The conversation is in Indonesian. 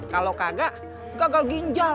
kalau kagak gagal ginjal